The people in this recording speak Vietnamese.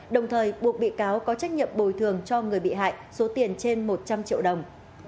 đồng thời buộc bị cáo có trách nhiệm bồi thường cho người bị hại số tiền trên một trăm linh triệu đồng